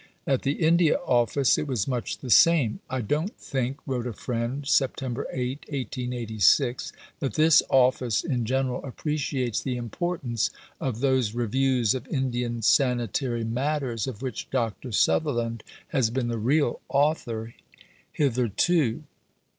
At the India Office it was much the same. "I don't think," wrote a friend (Sept. 8, 1886), "that this office in general appreciates the importance of those reviews of Indian sanitary matters of which Dr. Sutherland has been the real author hitherto."